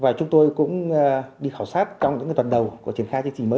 và chúng tôi cũng đi khảo sát trong những tuần đầu của triển khai chương trình mới